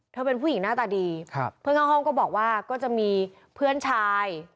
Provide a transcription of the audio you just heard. เป็นผู้หญิงหน้าตาดีครับเพื่อนข้างห้องก็บอกว่าก็จะมีเพื่อนชาย